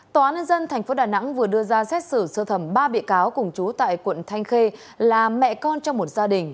tòa án nhân dân tp đà nẵng vừa đưa ra xét xử sơ thẩm ba bị cáo cùng chú tại quận thanh khê là mẹ con trong một gia đình